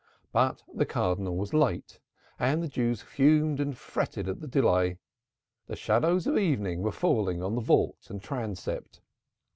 But the Cardinal was late and the Jews fumed and fretted at the delay. The shadows of evening were falling on vault and transept.